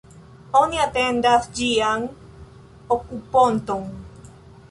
Oni atendas ĝian okuponton.